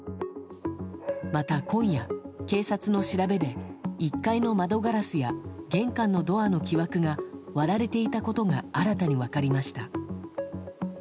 また今夜、警察の調べで１階の窓ガラスや玄関のドアの木枠が割られていたことが新たに分かりました。